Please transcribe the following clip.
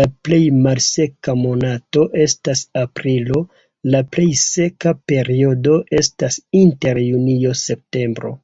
La plej malseka monato estas aprilo, la plej seka periodo estas inter junio-septembro.